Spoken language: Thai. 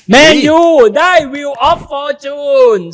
แมนยูได้วิวออฟฟอร์จูน